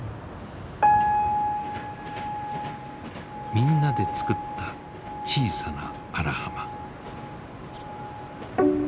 みんなで作った小さな荒浜。